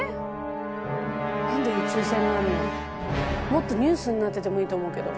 もっとニュースになっててもいいと思うけど。